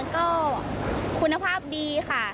ก็คุณภาพดีค่ะ